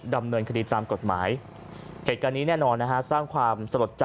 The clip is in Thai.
ดำเนินคดีตามกฎหมายเหตุการณ์นี้แน่นอนนะฮะสร้างความสลดใจ